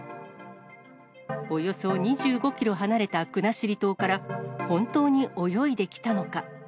およそ２５キロ離れた国後島から本当に泳いできたのか。